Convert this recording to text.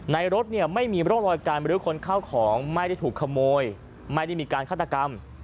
รถเนี่ยไม่มีร่องรอยการบริคนเข้าของไม่ได้ถูกขโมยไม่ได้มีการฆาตกรรม